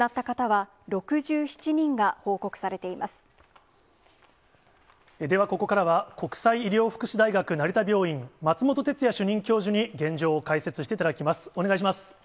では、ここからは国際医療福祉大学成田病院、松本哲哉主任教授に現状を解説していただきます。